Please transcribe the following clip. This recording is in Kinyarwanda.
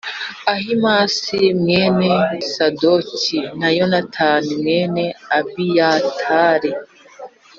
Ahimāsi mwene Sadoki, na Yonatani mwene Abiyatari.